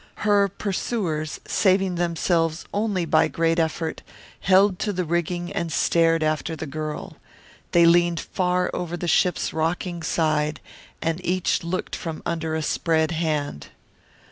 Her pursuers, saving themselves only by great effort, held to the rigging and stared after the girl. They leaned far over the ship's rocking side and each looked from under a spread hand.